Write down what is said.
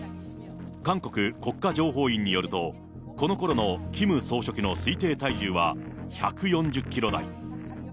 韓国国家情報院によると、このころのキム総書記の推定体重は、１４０キロ台。